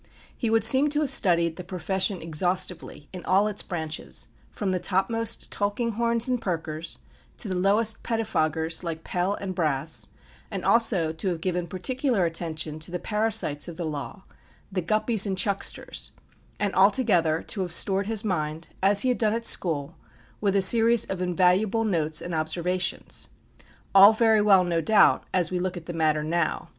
He would seem to have studied the profession exhaustively in all its branches, from the topmost Tulkinghorns and Perkers, to the lowest pettifoggers like Pell and Brass, and also to have given particular attention to the parasites of the law the Guppys and Chucksters; and altogether to have stored his mind, as he had done at school, with a series of invaluable notes and observations. All very well, no doubt, as we look at the matter now.